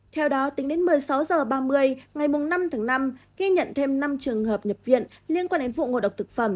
theo đó tính đến một mươi sáu h ba mươi ngày năm tháng năm ghi nhận thêm năm trường hợp nhập viện liên quan đến vụ ngộ độc thực phẩm